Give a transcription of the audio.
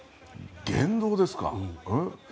言動ですか。